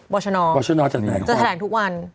บชนจะแถลงทุกวัน